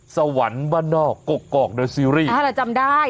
สวรรค์วันนอกกกอกด้วยซีรีส์อ้าวจำได้